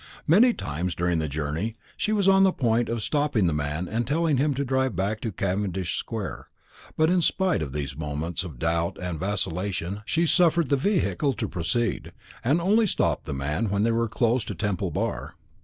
Many times during the journey, she was on the point of stopping the man and telling him to drive back to Cavendish square; but in spite of these moments of doubt and vacillation she suffered the vehicle to proceed, and only stopped the man when they were close to Temple bar.